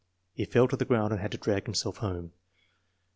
He fell to the ground and had to drag himself home.